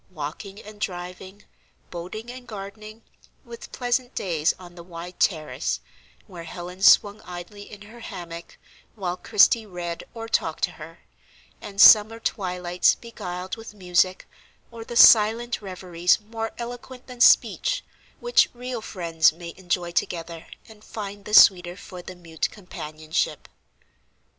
Walking and driving, boating and gardening, with pleasant days on the wide terrace, where Helen swung idly in her hammock, while Christie read or talked to her; and summer twilights beguiled with music, or the silent reveries more eloquent than speech, which real friends may enjoy together, and find the sweeter for the mute companionship.